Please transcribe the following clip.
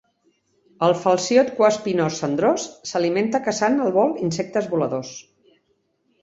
El falciot cuaespinós cendrós s'alimenta caçant al vol insectes voladors.